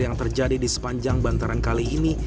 yang terjadi di sepanjang bantaran kali ini